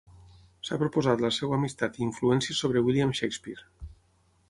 S'ha proposat la seva amistat i influència sobre William Shakespeare.